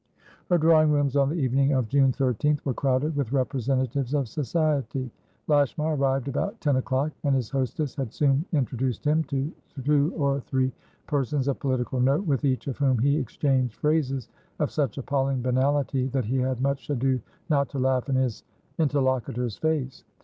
Her drawing rooms on the evening of June 13th were crowded with representatives of Society. Lashmar arrived about ten o'clock, and his hostess had soon introduced him to two or three persons of political note, with each of whom he exchanged phrases of such appalling banality that he had much ado not to laugh in his interlocutor's face.